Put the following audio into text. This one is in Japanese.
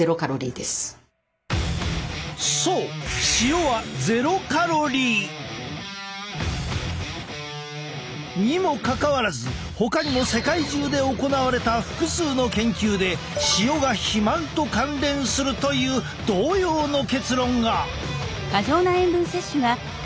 そう塩はにもかかわらずほかにも世界中で行われた複数の研究で塩が肥満と関連するという同様の結論が。